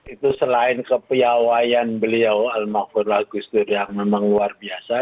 itu selain kepiawayan beliau al mahfudlah gus dur yang memang luar biasa